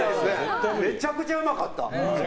めちゃくちゃうまかった。